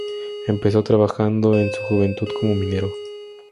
Empezó trabajando en su juventud como minero.